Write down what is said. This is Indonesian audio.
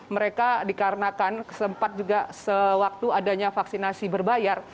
mereka dikarenakan sempat juga sewaktu adanya vaksinasi berbayar